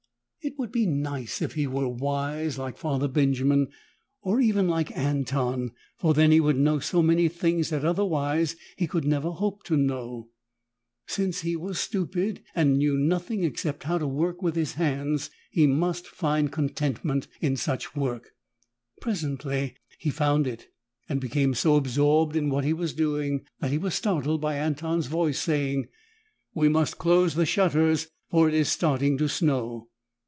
It would be nice if he were wise, like Father Benjamin or even like Anton, for then he would know so many things that otherwise he could never hope to know. Since he was stupid and knew nothing except how to work with his hands, he must find contentment in such work. Presently he found it and became so absorbed in what he was doing that he was startled by Anton's voice, saying, "We must close the shutters, for it is starting to snow."